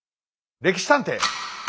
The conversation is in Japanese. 「歴史探偵」！